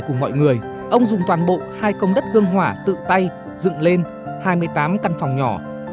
trong toàn bộ hai công đất gương hỏa tự tay dựng lên hai mươi tám căn phòng nhỏ